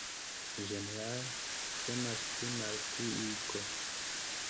Ĝenerale temas pri malpliigo.